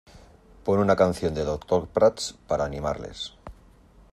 Pon una canción de Doctor Prats para animarles.